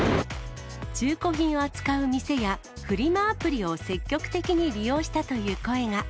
中古品を扱う店や、フリマアプリを積極的に利用したという声が。